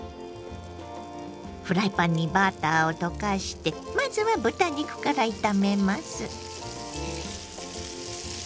フライパンにバターを溶かしてまずは豚肉から炒めます。